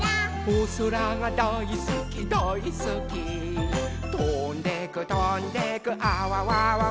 「おそらがだいすきだいすき」「とんでくとんでくあわわわわ」